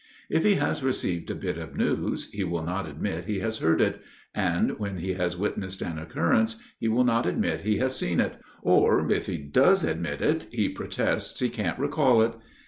If he has received a bit of news, he will not admit he has heard it; and when he has witnessed an occurrence, he will not admit he has seen it; or if he does admit it, he protests he can't recall it.